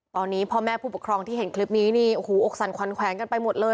ตอนนี้พ่อแม่ผู้ปกครองที่เห็นคลิปนี้นี่โอ้โหอกสั่นขวัญแขวงกันไปหมดเลย